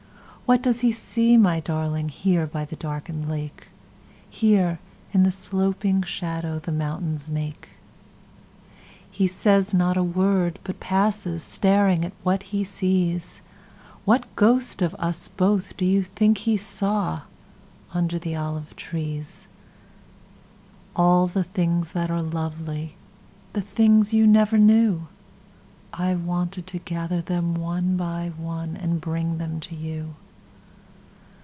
What does he see, my darlingHere by the darkened lake? Here, in the sloping shadowThe mountains make? He says not a word, but passes, Staring at what he sees. What ghost of us both do you think he sawUnder the olive trees? All the things that are lovely—The things you never knew—I wanted to gather them one by oneAnd bring them to you.